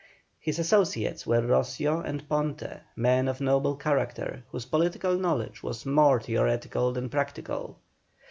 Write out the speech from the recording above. His associates were Roscio and Ponte, men of noble character, whose political knowledge was more theoretical than practical.